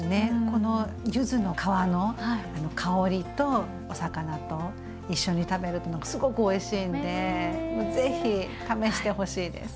この柚子の皮の香りとお魚と一緒に食べるとすごくおいしいんでぜひ試してほしいです。